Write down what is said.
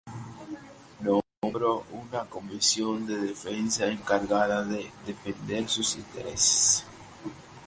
Nombró una comisión de defensa encargada de defender sus intereses.